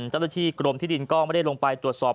เจ้าหน้าที่กรมที่ดินก็ไม่ได้ลงไปตรวจสอบ